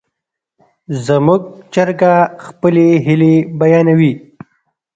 زموږ چرګه خپلې هیلې بیانوي.